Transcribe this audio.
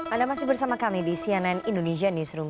anda masih bersama kami di cnn indonesia newsroom